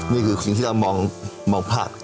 นี่คือสิ่งที่เรามองพลาด